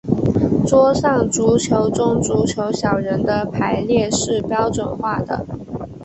桌上足球中足球小人的排列是标准化的。